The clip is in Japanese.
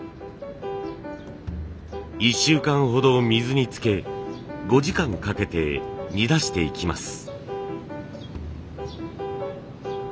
１週間ほど水につけ５時間かけて煮出していきます。